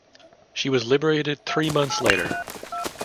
She was liberated three months later.